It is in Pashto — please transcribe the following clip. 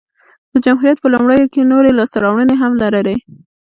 د جمهوریت په لومړیو کې نورې لاسته راوړنې هم لرلې